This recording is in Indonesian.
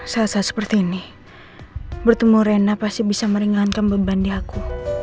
saat saat seperti ini bertemu rena pasti bisa meringankan beban di aku